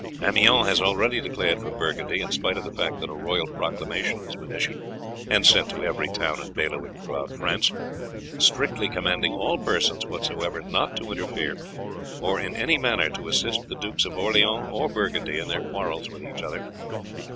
Amiens has already declared for Burgundy, in spite of the fact that a royal proclamation has been issued, and sent to every town and bailiwick through France, strictly commanding all persons whatsoever not to interfere, or in any manner to assist the Dukes of Orleans or Burgundy in their quarrels with each other.